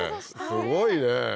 すごいね！